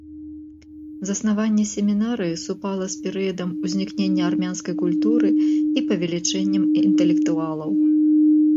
Заснаванне семінарыі супала з перыядам узнікнення армянскай культуры і павелічэннем інтэлектуалаў.